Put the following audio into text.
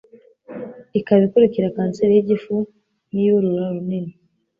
ikaba ikurikira kanseri y'igifu n'iy'urura runini.